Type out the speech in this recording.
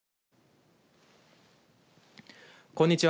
こんにちは。